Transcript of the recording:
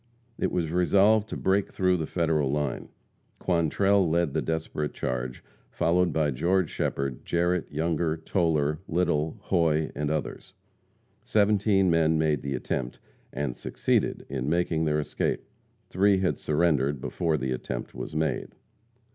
It was resolved to break through the Federal line. Quantrell led the desperate charge, followed by George Shepherd, Jarrette, Younger, Toler, Little, Hoy and others. Seventeen men made the attempt, and succeeded in making their escape. Three had surrendered before the attempt was made.